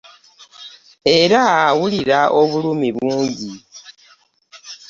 Era awulira obulumi bungi.